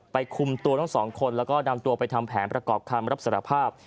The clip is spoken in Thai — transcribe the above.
คุมตัวทั้งสองคนแล้วก็นำตัวไปทำแผนประกอบคำรับสารภาพ